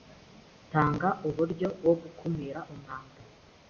Tanga uuryo wo gukumira umwanda